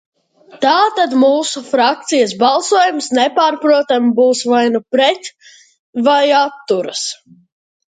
"Tātad mūsu frakcijas balsojums nepārprotami būs vai nu "pret", vai "atturas"."